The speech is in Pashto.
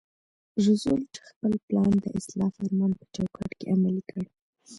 روزولټ خپل پلان د اصلاح فرمان په چوکاټ کې عملي کړ.